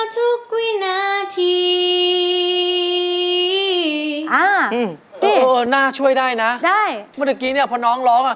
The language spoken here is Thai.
ทุกวินาทีอ่าอืมเออน่าช่วยได้นะได้เมื่อตะกี้เนี้ยพอน้องร้องอ่ะ